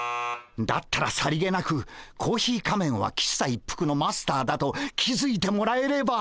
だったらさりげなくコーヒー仮面は喫茶一服のマスターだと気付いてもらえれば。